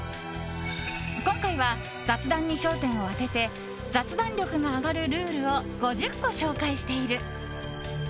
今回は雑談に焦点を当てて雑談力が上がるルールを５０個紹介している。